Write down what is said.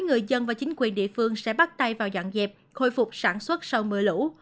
người dân và chính quyền địa phương sẽ bắt tay vào dọn dẹp khôi phục sản xuất sau mưa lũ